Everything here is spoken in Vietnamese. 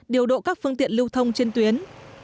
điều độ các phương tiện lưu thông trên tuyến